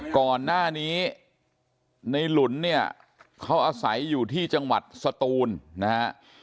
ก่อนหน้านี้ในหลุนเนี่ยเขาอาศัยอยู่ที่จังหวัดสตูนนะฮะ